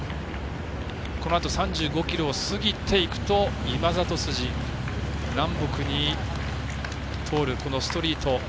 このあと３５ｋｍを過ぎていくと今里筋、南北に通るストリート。